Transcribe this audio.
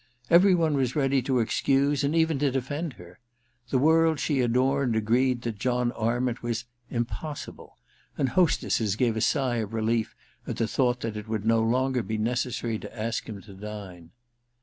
Every one was ready to excuse and even to defend her. The world she adorned agreed that John Arment was * impossible/ and hostesses gave a sigh of relief at the thought that it would no longer be necessary to ask him to dine.